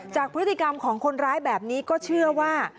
จากพฤติกรรมของคนร้ายแบบนี้ก็เชื่อว่า